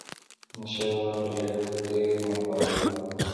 احمدشاه بابا په جګړه کې ډېر متواضع و.